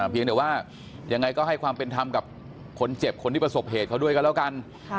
เพียงแต่ว่ายังไงก็ให้ความเป็นธรรมกับคนเจ็บคนที่ประสบเหตุเขาด้วยกันแล้วกัน